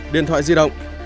điện thoại di động